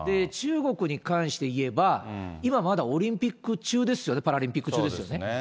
中国に関していえば、今まだオリンピック中ですよね、パラリンピック中ですよね。